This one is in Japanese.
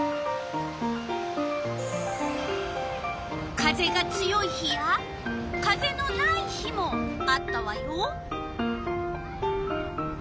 風が強い日や風のない日もあったわよ。